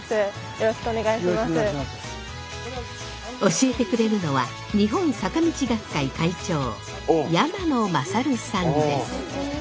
よろしくお願いします教えてくれるのは日本坂道学会会長山野勝さんです。